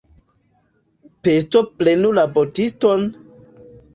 Pesto prenu la botiston!